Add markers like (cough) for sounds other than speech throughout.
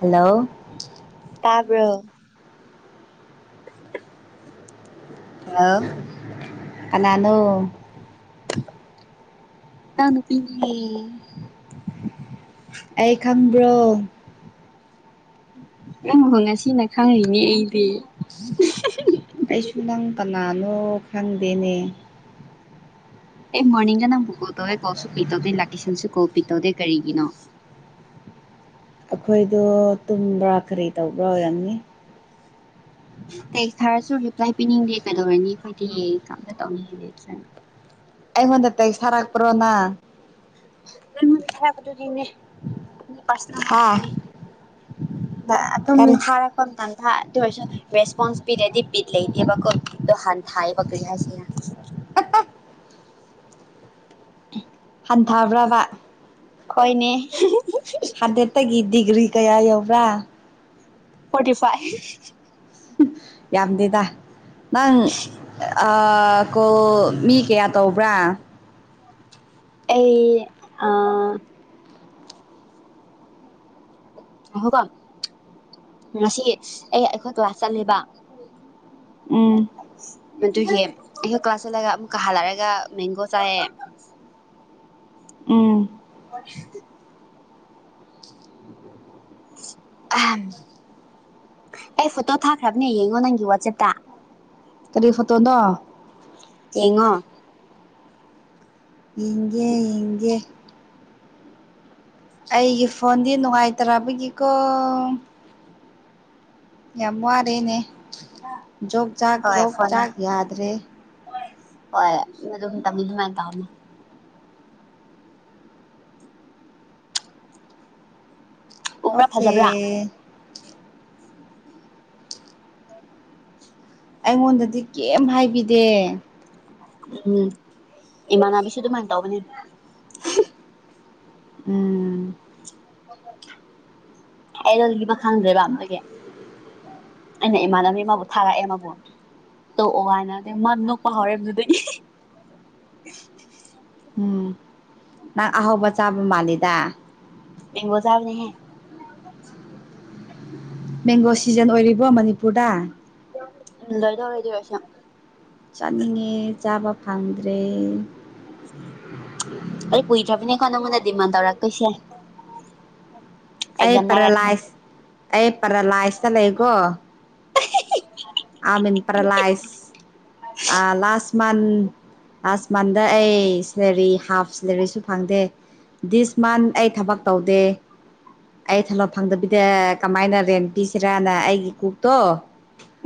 hello ꯇꯥꯕꯣ ꯑ ꯀꯅꯥꯅꯨ ꯇꯅꯄꯤ ꯑꯩ ꯈꯪꯕ꯭ꯔꯣ ꯎꯪꯍꯣ ꯉꯁꯤꯅ ꯈꯪꯉꯅꯦ ꯑꯩꯗꯤ ꯑꯩꯁꯨ ꯅꯪ ꯀꯅꯥꯅꯣ ꯈꯪꯗꯦꯅꯦ ꯑꯦ ꯃꯣꯔꯅꯤꯡꯗ ꯅ ꯄꯨꯀꯣꯇꯣꯋꯦ ꯀꯣꯁꯨ ꯄꯤꯇꯣꯗꯦ ꯂꯀꯤꯁꯟꯁꯤ ꯀꯣ ꯄꯤꯇꯣꯗꯦ ꯀꯔꯤꯉꯅꯣ ꯑꯩꯈꯣꯏꯗꯣ ꯇꯨꯝꯕ꯭ꯔꯥ ꯀꯔꯤ ꯇꯧꯕ꯭ꯔꯥ ꯑꯣꯏꯔꯝꯅꯤ ꯀ ꯊꯔꯁꯨ ꯔꯤꯄ꯭ꯂꯥꯏ ꯄꯤꯅꯤꯡꯗꯦ ꯀꯩꯗꯧꯔꯅꯤ ꯑꯩꯈꯣꯏꯗꯤ ꯀꯝꯇ ꯇꯧꯅꯤꯡꯉꯦ ꯂꯩꯠꯇ꯭ꯔꯥꯅ ꯑꯩꯃꯗ ꯇ ꯁꯔꯒ ꯄꯨꯔꯣꯅꯥ ꯅ ꯆꯔ ꯀꯗꯗꯤꯅꯦ ꯍꯥ ꯑꯗꯨꯝ ꯀꯔꯤ ꯊꯥꯔꯛꯄ ꯃꯇꯝꯗ ꯑꯗꯨ ꯑꯣꯏꯔꯁꯨ ꯔꯦꯁꯄꯣꯟꯁ ꯕꯤꯔꯗꯤ ꯕꯤꯤ ꯂꯩ ꯏꯗꯤꯦꯕ ꯀꯣ ꯍꯥꯟ ꯊ ꯄꯛꯌꯥꯁꯤ ꯍꯟꯊꯕ꯭ꯔꯕ ꯍꯣꯏꯅꯦ ꯍꯗꯦ ꯇꯒꯤ ꯗꯗꯤꯒ꯭ꯔꯤ ꯀꯌꯥ ꯌꯧꯕ꯭ꯔꯥ ꯐꯣꯔꯇꯤ ꯐꯥꯏꯚ ꯌꯥꯝꯗꯦꯗ ꯅꯪ ꯀꯣ ꯃꯤ ꯀꯌꯥ ꯇꯧꯕ꯭ꯔꯥ ꯑꯩ ꯑ ꯑꯍꯣꯀꯣ ꯉꯁꯤ ꯑꯩ ꯑꯩꯈꯣꯏ ꯀ꯭ꯂꯥꯁ ꯆꯠꯂꯦꯕ ꯎꯝ ꯑꯗꯨꯒꯤ ꯑꯩꯈꯣꯏ ꯀ꯭ꯂꯥꯁ ꯆꯠꯂꯒ ꯑꯃꯨꯛꯀ ꯍꯜꯂꯛꯑꯒ ꯃꯦꯡꯒꯣ ꯆꯥꯏꯌꯦꯦ ꯎꯝ ꯍ ꯑꯩ ꯐꯣꯇꯣ ꯊꯥꯈ꯭ꯔꯕꯅꯦ ꯌꯦꯡꯉꯣ ꯅꯪꯒꯤ ꯋꯥꯆꯦꯞꯇ ꯇꯔꯤꯐ ꯇꯣꯗ ꯌꯦꯦꯡꯉꯣ ꯌꯦꯡꯒꯦ ꯌꯦꯡꯒꯦ ꯑꯩꯒꯤ ꯐꯣꯟꯗꯤ ꯅꯨꯡꯉꯥꯏꯇꯕꯒꯤꯀꯣ ꯌꯥꯝꯃ ꯑꯔꯅꯦꯦ ꯖꯣꯛ ꯆꯥꯛ ꯍꯣꯏ ꯖꯣꯛ ꯐꯣꯟꯅ ꯆꯥꯛ ꯌꯥꯗ꯭ꯔꯦ ꯍꯣꯏ ꯑꯗꯨꯝ ꯇꯝꯕꯤ ꯑꯗꯨꯃꯥꯏꯅ ꯇꯧꯅꯤ ꯎꯕ꯭ꯔꯥ ꯑꯣꯀꯦ ꯐꯖꯕ꯭ꯔꯥ ꯑꯩꯉꯣꯟꯗꯗꯤ ꯀꯦꯝꯝ ꯍꯥꯏꯕꯤꯗꯦ ꯎꯝ ꯏꯃꯥꯟꯅꯕꯤꯁꯨ ꯑꯗꯨꯃꯥꯏꯅ ꯇꯧꯒꯅꯤ ꯎꯝ ꯑꯩꯔꯣꯜꯒꯤꯕ ꯈꯪꯗ꯭ꯔꯦꯕ ꯑꯝꯗꯒꯤ ꯑꯩꯅ ꯏꯃꯥꯟꯅꯕꯕꯤ ꯑꯃꯕꯨ ꯊꯥꯔꯛꯑꯦ ꯃꯕꯨ ꯇꯣꯛꯑꯣ ꯍꯥꯏꯅꯩ ꯃꯥ ꯅꯣꯛꯄ ꯍꯧꯔꯦꯗꯨꯗꯩ ꯎꯝ ꯅꯪ ꯑꯍꯥꯎꯕ ꯆꯥꯕ ꯃꯥꯜꯂꯤꯗ ꯉꯖꯥꯕꯅꯤꯍꯦ ꯃꯦꯡꯒꯣ ꯁꯤꯖꯟ ꯑꯣꯏꯔꯤꯕꯣ ꯃꯅꯤꯄꯨꯔꯗ ꯑꯦꯗ ꯍꯗꯤ ꯔꯁ ꯆꯥꯅꯤꯡꯉꯦ ꯆꯥꯕ ꯐꯪꯗ꯭ꯔꯦ ꯑꯔꯤ ꯄꯨ ꯊꯥ ꯄꯅꯦ ꯅꯉꯣꯟꯗ ꯗꯤꯃꯥꯟ ꯇꯧꯔꯛ ꯀꯣꯏꯁꯦ ꯑꯩ ꯄꯔꯂꯥꯏꯁ ꯑꯩ ꯄꯔꯥ ꯂꯥꯏꯁꯇ ꯂꯩꯀꯣ ꯑꯃꯤ ꯄ꯭ꯔꯂꯥꯏꯁ ꯂꯥꯁ ꯟ ꯂꯥꯁ ꯃꯟꯗ ꯑꯩ ꯁꯦꯂꯔꯤ ꯍꯥꯐ ꯁꯦꯂꯔꯤꯁꯨ ꯐꯪꯗꯦ ꯗꯤꯁ ꯃꯟ ꯑꯩ ꯊꯕꯛ ꯇꯧꯗꯦ ꯑꯩ ꯊꯂꯣ ꯐꯪꯗꯕꯤꯗ ꯀꯃꯥꯏꯅ ꯔꯦꯟ ꯄꯤꯁꯤꯔꯅ ꯑꯩꯒꯤ ꯀꯛꯇꯣ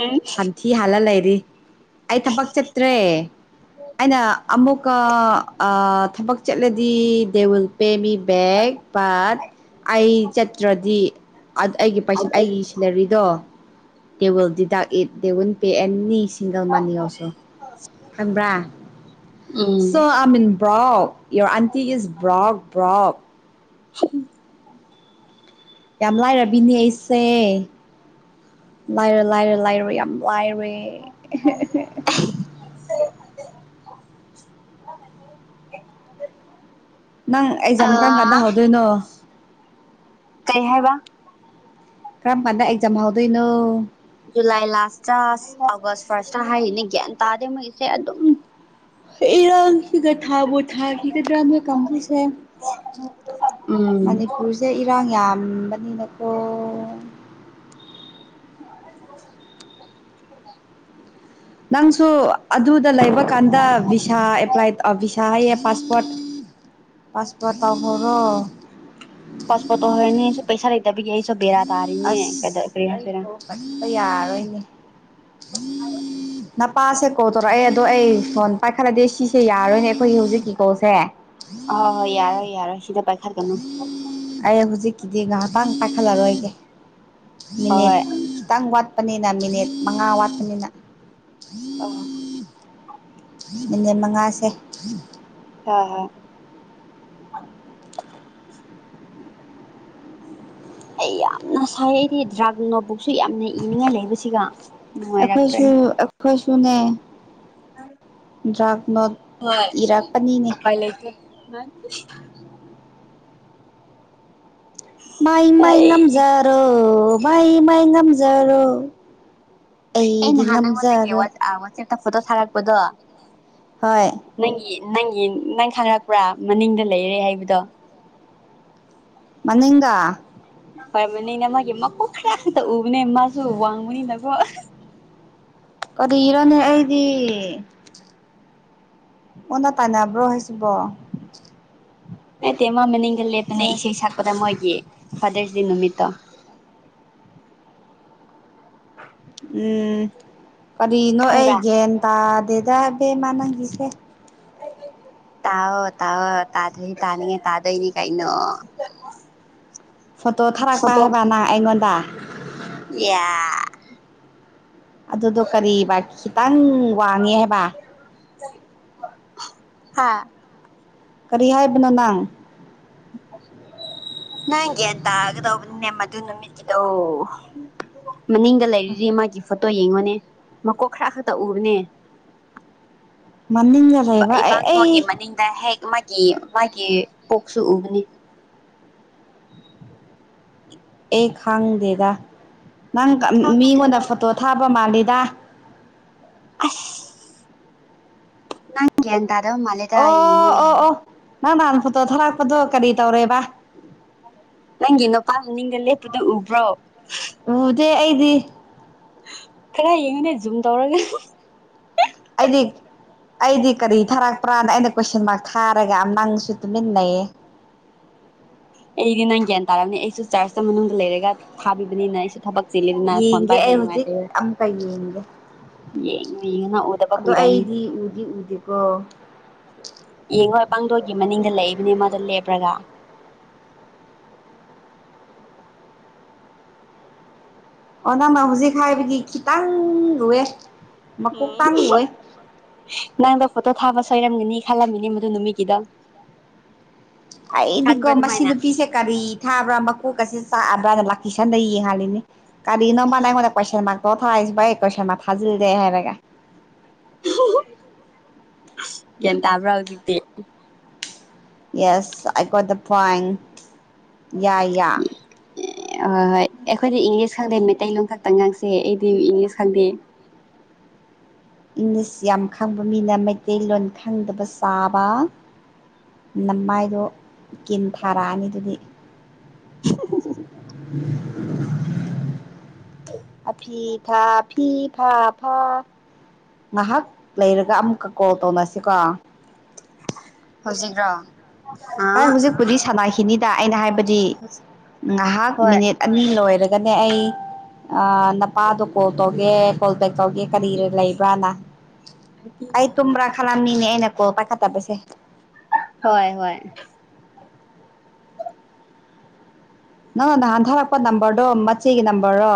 ꯎꯝ ꯁꯟꯊꯤ ꯍꯥꯜꯂ ꯂꯩꯔꯤ ꯑꯩ ꯊꯕꯛ ꯆꯠꯇ꯭ꯔꯦ ꯑꯩꯅ ꯑꯃꯨꯛꯀ ꯊꯕꯛ ꯆꯠꯂꯗꯤ they will pay me back but ꯑꯩ ꯆꯠꯇ꯭ꯔꯗꯤ ꯑꯩꯒꯤ ꯄꯩꯁꯥ ꯑꯩꯒꯤ ꯁꯦꯂꯔꯤꯗꯣ ꯗꯦ ꯋꯤꯜꯗꯤ dock it they won't pay any single money also ꯈꯪꯕ꯭ꯔꯥ um so I mean broke your aunty is broke broke ꯌꯥꯝ ꯂꯥꯏꯔꯕꯤꯅꯦ ꯑꯩꯁꯦ ꯂꯥꯏꯔ ꯂꯥꯏꯔ ꯂꯥꯏꯔꯣꯏ ꯌꯥꯝ ꯂꯥꯏꯔꯦ (inaudible) ꯅꯪ ꯑꯦꯛꯖꯥꯝ ꯀꯔꯝ ꯀꯥꯟꯗ ꯑꯥ ꯍꯧꯗꯣꯏꯅꯣ ꯀꯩ ꯍꯥꯏꯦꯕ ꯀꯔꯝ ꯐꯥꯟꯗ ꯑꯦꯛꯖꯥꯝ ꯑꯥꯎꯣꯏꯅꯣ ꯖꯨꯂꯥꯏ ꯂꯥꯁꯇ ꯑꯒꯁ ꯐꯥꯔꯁꯇ ꯍꯥꯏꯔꯤꯅꯦ ꯒ꯭ꯌꯥꯟ ꯇꯥꯗꯦ ꯃꯩꯁꯦ ꯑꯗꯨꯝ ꯏꯔꯟ ꯁꯤꯒ ꯊꯥꯕꯨ ꯊꯥꯈꯤꯒꯗ꯭ꯔꯥ ꯅꯣꯏ ꯀꯥꯡꯕꯨꯁꯦ ꯎꯝ ꯃꯅꯤꯄꯨꯔꯁꯦ ꯏꯔꯥꯡ ꯌꯥꯝꯕꯅꯤꯅꯀꯣ (inaudible) ꯅꯪꯁꯨ ꯑꯗꯨ ꯑꯗꯨ ꯂꯩꯕ ꯀꯥꯟꯗ ꯚꯚꯤꯁꯥ ꯑꯦꯄ꯭ꯂꯥꯏ ꯕꯤꯚꯤꯁꯥ ꯍꯥꯏꯌꯦ ꯄꯥꯁꯄꯣꯔꯠ ꯄꯥꯁꯄ ꯇꯥꯎ ꯍꯔꯣ ꯐꯁꯄꯠꯇꯣ ꯍꯅꯤ ꯁ ꯄꯩꯁꯥ ꯂꯩꯗꯕꯕꯤ ꯌꯥ ꯑꯩ ꯁꯣ ꯕꯔ ꯇꯔꯤꯅꯦ ꯀ ꯑꯁ ꯀꯔꯤ ꯑꯩ ꯍꯥꯏꯁꯤꯔ ꯀꯣꯜ ꯄꯥꯏꯈꯠꯄ ꯌꯥꯔꯣꯏꯅꯦ ꯅ ꯄꯥꯁꯦ ꯀꯣ ꯇꯧꯔꯣ ꯑꯩ ꯑꯗꯣ ꯑꯩ ꯁꯣꯟ ꯄꯥꯏꯈꯠꯂꯗꯤꯦ ꯁꯤꯁꯦ ꯌꯥꯔꯣꯏꯅꯦ ꯑꯩꯈꯣꯏꯒꯤ ꯍꯧꯖꯤꯛꯀꯤꯀꯣꯁꯦ ꯍ ꯍꯣꯏ ꯌꯥꯔꯣꯏ ꯌꯥꯔꯣꯏ ꯁꯤꯗ ꯄꯥꯏꯈꯥ ꯀꯩꯅꯣ ꯍꯧꯖꯤꯛꯀꯤꯗꯤ ꯉꯥꯏꯍꯥꯛꯇꯪ ꯄꯥꯏꯈꯠꯂꯔꯣꯏꯒꯦ ꯃꯤꯅꯤꯠ ꯍꯣꯏ ꯍꯣꯏ ꯈꯤꯇꯥꯡ ꯋꯥꯠ ꯆꯠꯄꯅꯤꯅ ꯃꯤꯅꯤꯠ ꯃꯉꯥ ꯋꯥꯠꯄꯅꯤꯅ ꯑ ꯃꯤꯅꯤꯠ ꯃꯉꯥꯁꯦ ꯍ ꯍ ꯑꯩ ꯌꯥꯝꯅ ꯁꯥꯏ ꯑꯩꯗꯤ ꯗ꯭ꯔꯒ ꯅꯣꯕꯨꯛꯁꯨ ꯌꯥꯝꯅ ꯏꯅꯤꯡꯉꯥꯏ ꯂꯩꯕꯁꯤꯒ ꯅꯨꯡꯉꯥꯏꯔꯛꯇ꯭ꯔꯦ ꯑꯩꯈꯣꯏꯁꯨ ꯑꯩꯈꯣꯏ ꯁꯨꯟꯅ ꯗ꯭ꯔꯥꯛ ꯅꯣꯠ ꯍꯣꯏ ꯏꯔꯛꯄꯅꯤꯅꯦ ꯎꯄꯥꯏ ꯂꯩꯇꯦ ꯑꯩ ꯃꯥꯏ ꯃ ꯏ ꯉꯝꯖꯥꯔꯣ ꯏ ꯄꯥꯏꯅꯝꯖꯔꯣ ꯑꯩ ꯅꯍꯥꯟ ꯅꯪꯉꯣꯟꯗꯒꯤ ꯋꯥꯆꯦꯞꯇ ꯐꯣꯇꯣ ꯊꯥꯔꯛꯄꯗꯣ ꯍꯣꯏ ꯅꯪꯒꯤ ꯅꯪꯒꯤ ꯅꯪ ꯈꯪꯔꯛꯄ꯭ꯔꯥ ꯃꯅꯤꯡꯗ ꯂꯩꯔꯦ ꯍꯥꯏꯕꯗꯣ ꯃꯅꯤꯡꯒꯥ ꯑꯣꯏꯔꯕꯅꯤꯅ ꯃꯥꯒꯤ ꯃꯀꯣꯛ ꯈꯔꯁꯤꯗ ꯎꯕꯅꯦ ꯃꯥꯁꯨ ꯋꯥꯡꯕꯅꯤꯅꯀꯣ ꯀꯔꯤ ꯏꯔꯣꯅꯦ ꯑꯩꯗꯤ ꯑꯣꯟꯅ ꯇꯥꯟꯅꯕ꯭ꯔꯣ ꯍꯥꯏꯁꯤꯕꯣ ꯅꯠꯇꯦ ꯃꯥ ꯃꯅꯤꯡꯒꯜꯂꯦ ꯐꯅ ꯁꯦ ꯏꯁꯩ ꯁꯛꯄꯗ ꯃꯣꯏꯒꯤ ꯐꯥꯗꯔꯁ ꯗꯦ ꯅꯨꯃꯤꯠꯇꯣ ꯎꯝ ꯀꯔꯤꯅꯣ ꯑꯩ ꯈꯪꯕ꯭ꯔꯥ ꯒ꯭ꯌꯥꯟ ꯇꯥꯗꯦ ꯗꯕꯃ ꯅꯪꯈꯤꯁꯦ ꯇꯥꯑꯣꯣ ꯇꯥꯑꯣꯣ ꯇꯥꯗ ꯇꯥꯅꯤꯉ ꯇꯥꯗꯩꯅꯤ ꯀꯥꯏꯩꯅꯣ ꯐꯣꯇꯣ ꯊꯥꯔꯛꯄ ꯍꯥꯏꯕ ꯅꯪ ꯑꯩꯉꯣꯟꯗ ꯌꯥ ꯑꯗꯨꯗꯣ ꯀꯔꯤꯕꯥ ꯈꯤꯇꯪ ꯋꯥꯡꯉꯦ ꯍꯥꯏꯕ ꯍꯥꯥ ꯀꯔꯤ ꯍꯥꯏꯕꯅꯣꯅ ꯅꯪꯒ ꯑꯦꯇꯥ ꯍꯥꯏꯒꯗꯣꯅꯤ ꯅꯦꯃ ꯑꯗꯨ ꯅꯨꯃꯤꯠꯇꯗ ꯃꯅꯤꯡꯒ ꯂꯩꯔꯤꯔꯤ ꯃꯥꯒꯤ ꯐꯣꯇꯣ ꯌꯦꯡꯉꯨꯅꯦ ꯃꯀꯣꯛ ꯈꯔ ꯈꯛꯇ ꯎꯕꯅꯦ ꯃꯅꯤꯡꯒ ꯂꯩꯕ ꯑꯩ ꯑꯩ ꯏꯕꯥꯡꯗꯣꯒꯤ ꯃꯅꯤꯡꯗ ꯍꯦꯛ ꯃꯥꯒꯤ ꯄꯣꯛꯁꯨ ꯎꯕꯅꯤ ꯑꯦ ꯈꯥꯡꯉ ꯗꯦꯗꯥ ꯅꯪ ꯈꯪꯉꯨꯗꯅ ꯃꯤꯉꯣꯟꯗ ꯐꯣꯇꯣ ꯊꯥꯕ ꯃꯥꯜꯂꯤ ꯋꯥ ꯑ ꯅꯪꯦ ꯑꯗ ꯃꯂꯦꯗ ꯌꯦꯡꯉꯣ ꯌꯦꯡꯉ ꯅꯍ ꯅꯍꯥꯟ ꯐꯣꯠꯇꯣ ꯊꯂꯛꯄꯗꯣ ꯀꯔꯤ ꯇꯧꯔꯦꯕ ꯅꯪ ꯏꯅꯣ ꯄ ꯅꯤꯡ ꯂꯩꯦ ꯍ꯭ꯔꯣ ꯑꯣꯗꯦ ꯑꯩꯗꯤ ꯈꯔ ꯌꯦꯡꯉꯨꯅꯦ ꯖꯨꯝ ꯇꯧꯔꯒ ꯑꯩꯗꯤ ꯑꯩꯗꯤ ꯀꯔꯤ ꯊꯥꯔꯛꯄ꯭ꯔꯥꯅ ꯑꯩꯅ ꯀꯣꯏꯁꯟ ꯃꯥꯔꯛ ꯊꯥꯔꯒ ꯌꯥꯝ ꯅꯪꯁꯨ ꯇꯨꯃꯤꯟꯅꯩꯌꯦ ꯑꯩꯗꯤ ꯅꯪ ꯒ꯭ꯌꯥꯟ ꯇꯥꯔꯔꯕꯅꯤ ꯑꯩꯁꯨ ꯆꯥꯔꯆꯇ ꯃꯅꯨꯡꯗ ꯂꯩꯔꯒ ꯊꯥꯕꯤꯕꯅꯤꯅ ꯑꯩꯁꯨ ꯊꯕꯛ ꯆꯤꯜꯂꯤꯗꯅ ꯐꯣꯟ ꯌꯦꯡꯒꯦ ꯄꯥꯏꯕ ꯑꯩ ꯍꯧꯖꯤꯛ ꯅꯨꯡꯉꯥꯏꯇꯦꯕ ꯑꯃꯨꯀ ꯌꯦꯡꯒꯦ ꯌꯦꯡꯉꯨ ꯌꯦꯡꯉꯨ ꯎꯗꯕ ꯑꯗꯣ ꯀꯨꯏꯔꯝꯅꯤ ꯑꯩꯗꯤ ꯎꯗꯤ ꯎꯗꯦꯀꯣ ꯌꯦꯡꯉꯣ ꯄꯥꯡꯗꯣꯏꯒꯤ ꯃꯅꯤꯡꯗ ꯂꯩꯏꯕꯅꯦ ꯃꯥꯗ ꯂꯦꯞꯄ꯭ꯔꯒ ꯑꯣꯅꯥꯃ ꯍꯧꯖꯤꯛ ꯈꯥꯏꯕꯒꯤ ꯈꯤꯇꯪ ꯔꯨꯋꯦ ꯎꯝ ꯅꯪꯗ ꯐꯇꯣ ꯊꯥꯕꯁ ꯁꯣꯏꯔꯝꯒꯅꯤ ꯈꯜꯂꯝꯃꯤꯅꯤ ꯃꯗꯨ ꯅꯨꯃꯤꯠꯀꯤꯗ ꯑꯩꯗꯤꯀꯣ ꯃꯁꯤ ꯅꯨꯄꯤꯁꯦ ꯀꯔꯤ ꯊꯥꯕ꯭ꯔꯥ ꯃꯀꯣꯛꯀꯁꯦ ꯆꯥꯛꯑꯕ꯭ꯔꯥꯅ ꯂꯥꯛ ꯏꯁꯟꯗ ꯌꯦ ꯍꯥꯜꯂꯤꯅꯦ ꯀꯔꯤ ꯏꯅ ꯅꯝꯕꯔ ꯅꯥꯏ ꯃ ꯀꯣꯏꯁꯟ ꯃ ꯀꯣꯊ ꯍꯥꯏꯁ ꯏ ꯀꯣꯏꯁꯥꯃ ꯊꯖꯤꯜꯗꯦ ꯍꯥꯏꯦꯕꯒ ꯒ꯭ꯌꯥꯟ ꯇꯥꯕ꯭ꯔꯥ ꯍꯧꯖꯤꯛꯇꯤ ꯌꯦꯁ ꯑ ꯀ꯭ꯋꯥꯠ ꯗ ꯄꯥꯏ ꯌꯥ ꯌꯥ ꯍꯣꯏ ꯍꯣꯏ ꯑꯩꯈꯣꯏꯗꯤ ꯏꯪꯂꯤꯁ ꯈꯪꯗꯦ ꯃꯩꯇꯩꯂꯣꯟ ꯈꯛꯇꯪ ꯉꯥꯡꯁꯦ ꯑꯩꯗꯤ ꯏꯪꯂꯤꯁ ꯈꯪꯗꯦ ꯏꯪꯂꯤꯁ ꯌꯥꯝ ꯈꯪꯕ ꯃꯤꯅ ꯃꯩꯇꯩꯂꯣꯟ ꯈꯪꯗꯕ ꯆꯥꯕ ꯅꯝꯃꯥꯏꯗꯣ ꯀꯤꯟ ꯊꯥꯔꯛꯑꯅꯤ ꯑꯗꯨꯗꯤ ꯎ ꯑ ꯐꯤ ꯐꯥ ꯐꯤ ꯐꯥ ꯐꯥ ꯉꯍꯥꯛ ꯂꯩꯔꯒ ꯑꯃꯨꯛꯀ ꯀꯣꯜ ꯇꯧꯅꯁꯤꯀꯣ ꯄꯨꯖꯤꯈ꯭ꯔꯣ ꯍ ꯍꯧꯖꯤꯛꯄꯨꯗꯤ ꯁꯥꯟꯅꯈꯤꯅꯤꯗ ꯑꯩꯅ ꯍꯥꯏꯕꯗꯤ ꯉꯥꯏꯍꯥꯛ ꯍꯣꯏ ꯃꯤꯅꯤꯠ ꯑꯅꯤ ꯂꯣꯏꯔꯒ ꯑꯗꯨꯅꯦ ꯑꯩ ꯅꯄꯥꯗꯣ ꯀꯣꯜ ꯇꯧꯒꯦ ꯀꯣꯜꯕꯦꯛ ꯇꯧꯒꯦ ꯀꯔꯤ ꯂꯩꯕ꯭ꯔꯥꯅ ꯑꯩ ꯇꯨꯝꯕ꯭ꯔꯥ ꯂꯝꯅꯤꯅꯦ ꯑꯦꯅꯀꯣ ꯄꯥꯏ ꯈꯥ ꯇ ꯄꯩꯁꯦ ꯍꯣꯏ ꯍꯣꯏ ꯅꯪ ꯅ ꯍꯟꯊꯔꯛꯄ ꯅꯝꯕꯔꯗꯣ ꯃꯆꯦꯒꯤ ꯅꯝꯕꯔꯣ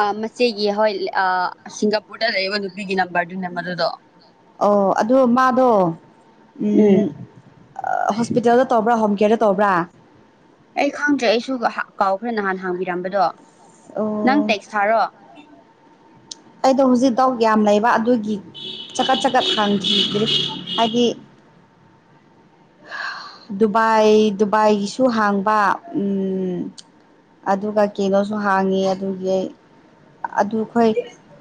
ꯑ ꯃꯆꯦꯒꯤ ꯍꯣꯏ ꯁꯤꯡꯒꯥꯄꯨꯔꯗ ꯂꯩꯔꯤꯕꯕ ꯅꯨꯄꯤꯒꯤ ꯅꯝꯕꯔꯗꯨꯅꯦ ꯃꯗꯨꯗꯣ ꯑꯣ ꯑꯗꯨꯣ ꯃꯥꯗꯣ ꯎꯝ ꯍꯣꯁꯄꯤꯇꯥꯜꯗ ꯇ ꯇꯧꯕ꯭ꯔꯥ ꯍꯣꯝ ꯀꯦꯌꯔꯗ ꯇꯧꯕ꯭ꯔꯥ ꯑꯩ ꯈꯪꯗ꯭ꯔꯦ ꯑꯩꯁꯨ ꯀꯥꯎꯈ꯭ꯔꯦ ꯅꯍꯥꯟ ꯍꯥꯡꯕꯤꯔꯝꯕꯗꯣ ꯅꯪ ꯑꯣ ꯇꯦꯛꯁ ꯊꯥꯔꯣ ꯑꯩꯗꯣ ꯍꯧꯖꯤꯛ ꯗꯥꯎꯠ ꯌꯥꯝ ꯂꯩꯕ ꯑꯗꯨꯒꯤ ꯆꯀꯠ ꯆꯀꯠ ꯈꯪ ꯍꯥꯏꯗꯤ ꯗꯨꯕꯥꯏ ꯗꯨꯕꯥꯏꯒꯤꯁꯨ ꯍꯥꯡꯕ ꯑꯗꯨꯒ ꯀꯩꯅꯣꯁꯨ ꯍꯥꯡꯉꯤ ꯑꯗꯨꯒꯤ ꯑꯩ ꯑꯗꯨ ꯑꯩꯈꯣꯏ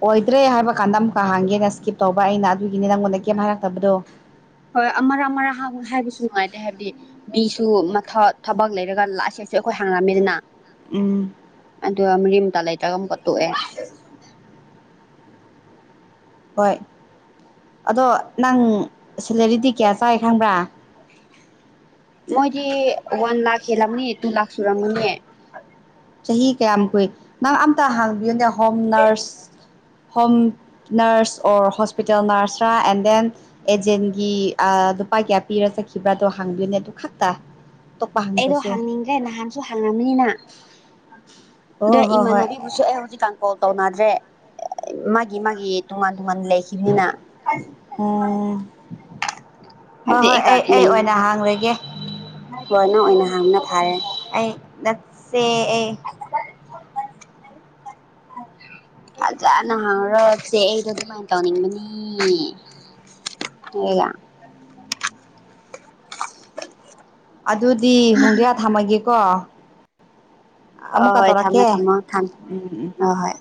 ꯑꯣꯏꯗ꯭ꯔꯦ ꯍꯥꯏꯕ ꯀꯥꯟꯗ ꯑꯃꯨꯛꯀ ꯍꯥꯡꯒꯦꯅ ꯁꯀꯤꯞ ꯇꯧꯕ ꯩꯅꯅꯥ ꯑꯗꯨ ꯍ ꯑꯥ ꯑꯥ ꯑꯍꯥ ꯍꯥꯏ ꯀꯁꯁꯨ ꯅꯍꯥꯏ ꯑ ꯍꯥꯏꯕꯗꯤ ꯃꯤꯁꯨ ꯃꯊ ꯊꯕꯛ ꯂꯩꯔꯒ ꯂꯁꯦꯁꯨ ꯑꯩꯈꯣꯏ ꯍꯥꯡꯉꯝꯃꯤꯗꯅ ꯎꯝ ꯑꯗꯣ ꯃ ꯇ ꯂꯩꯇꯒꯝ ꯀꯠꯇꯨꯑꯦ ꯍꯣꯏ ꯑꯗꯣ ꯅꯪ ꯁꯦꯂꯔꯤꯗꯤ ꯀꯌꯥ ꯆꯥꯏ ꯈꯪꯕ꯭ꯔꯥ ꯃꯣꯏꯗꯤ ꯋꯥꯟ ꯂꯈ ꯍꯦꯂꯅꯤ ꯇꯨ ꯂꯥꯛ ꯁꯨꯔꯃꯅꯤ ꯆꯍꯤ ꯀꯌꯥꯝ ꯀꯨꯏ ꯅꯪ ꯑꯝꯇ ꯍꯥꯡꯕꯤꯌꯨꯅꯦ home nurse home nurse or hospital ꯅꯔꯁꯔ ꯑꯦꯟ ꯗꯦꯟ ꯑꯦꯖꯦꯟꯒꯤ ꯂꯨꯄꯥ ꯀꯌꯥ ꯄꯤꯔ ꯆꯠꯈꯤꯕ꯭ꯔꯥꯗꯣ ꯍꯥꯡꯕꯤꯌꯨꯅꯦ ꯑꯗꯨ ꯈꯛꯇ ꯑꯇꯣꯞꯄ ꯑꯩꯗꯣ ꯍꯪꯗ꯭ꯔꯁꯨ ꯍꯥꯡꯅꯤꯡꯗ꯭ꯔꯦ ꯅꯍꯥꯟꯁꯨ ꯍꯥꯡꯉꯝꯅꯤꯅ ꯑꯣ ꯑꯗ ꯍꯣꯏ ꯍꯣꯏ ꯏꯃꯥꯟꯕꯤꯕꯨꯁꯨ ꯑꯦ ꯍꯧꯖꯤꯛ ꯀꯣꯜ ꯇꯧꯅꯗ꯭ꯔꯦ ꯃꯥꯒꯤ ꯃꯥꯒꯤ ꯇꯣꯉꯥꯟ ꯂ ꯂꯩꯈꯃꯤꯅꯤꯅ ꯎꯝ ꯍꯣꯏ ꯐꯦꯛ ꯍꯣꯏ ꯑꯩ ꯑꯩ ꯑꯣꯏꯅ ꯍꯥꯡꯂꯒꯦ ꯍꯅ ꯑꯣꯏꯅ ꯍꯥꯡꯅ ꯐꯥꯔꯦ ꯅꯁꯦ ꯐꯖꯅ ꯍꯥꯎꯔꯁꯦ ꯑꯩꯗꯣ ꯑꯗꯨꯃꯥꯏꯅ ꯇꯧꯅꯤꯡꯕꯅꯤꯒ ꯎ ꯑꯗꯨꯗꯤ ꯍꯣꯡꯗ꯭ꯔꯌꯥ ꯊꯝꯃꯒꯦ ꯀ ꯍ ꯍꯣꯏ ꯊꯝꯃꯦ ꯊꯝꯃꯣ ꯊꯝꯃꯦ ꯎꯝ ꯎꯝ ꯑ ꯍꯣꯏ